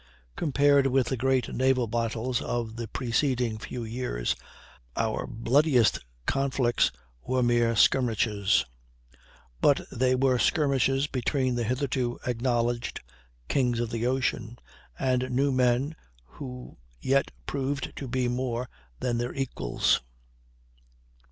Compared with the great naval battles of the preceding few years, out bloodiest conflicts were mere skirmishes, but they were skirmishes between the hitherto acknowledged kings of the ocean, and new men who yet proved to be more than their equals.